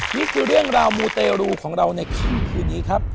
นี่คือเรื่องราวมูเตรูของเราในค่ำคืนนี้ครับ